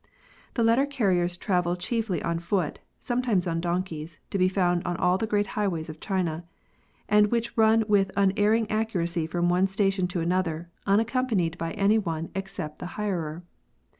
The letter carriers travel chiefly on foot, sometimes on donkeys, to be found on all the great highways of China, and which run with unerring accuracy from one station to another, unaccompanied by any one except the hirer.